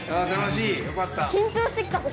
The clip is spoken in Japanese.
よかった。